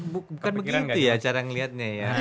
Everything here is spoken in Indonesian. bukan begitu ya cara ngeliatnya ya